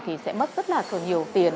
thì sẽ mất rất là nhiều tiền